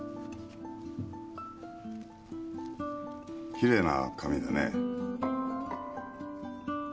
きれいな髪だね